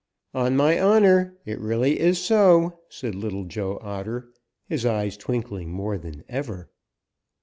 "On my honor it really is so," said Little Joe Otter, his eyes twinkling more than ever.